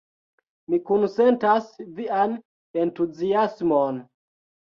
Mi kunsentas vian entuziasmon!